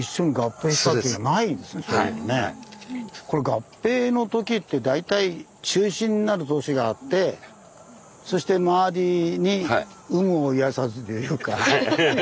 合併のときって大体中心になる都市があってそしてまわりに有無を言わさずというか。